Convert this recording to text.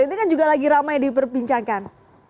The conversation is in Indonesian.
ini kan juga lagi ramai diperbincangkan